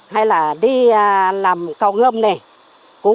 hay là đi làm cầu ngâm này